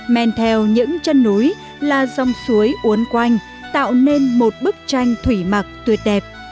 men theo những chân núi là dòng suối uốn quanh tạo nên một bức tranh thủy mặc tuyệt đẹp